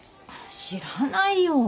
知らないよ。